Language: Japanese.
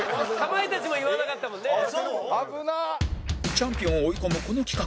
チャンピオンを追い込むこの企画